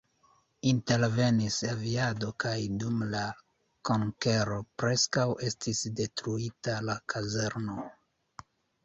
Intervenis aviado kaj dum la konkero preskaŭ estis detruita la kazerno.